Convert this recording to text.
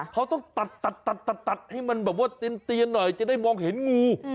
เขาต้องตัดให้มันแบบว่าเตียนหน่อยจะได้มองเห็นงู